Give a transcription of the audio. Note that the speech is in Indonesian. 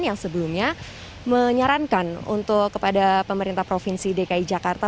yang sebelumnya menyarankan untuk kepada pemerintah provinsi dki jakarta